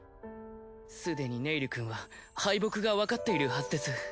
すでにネイルくんは敗北がわかっているはずです。